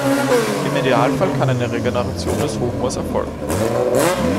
Im Idealfall kann eine Regeneration des Hochmoores erfolgen.